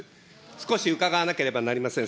少しうかがわなければなりません。